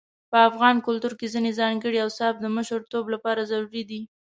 په افغان کلتور کې ځينې ځانګړي اوصاف د مشرتوب لپاره ضروري دي.